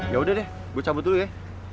ya udah deh gue cabut dulu ya